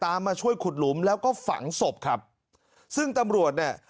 มาช่วยขุดหลุมแล้วก็ฝังศพครับซึ่งตำรวจเนี่ย